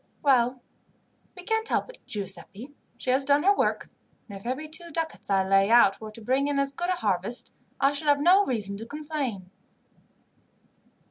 "Well, we can't help it, Giuseppi. She has done her work; and if every two ducats I lay out were to bring in as good a harvest, I should have no reason to complain."